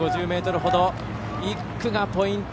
１区がポイント。